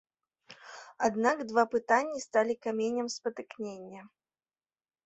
Аднак два пытанні сталі каменем спатыкнення.